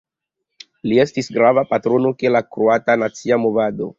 Li estis grava patrono de la kroata nacia movado.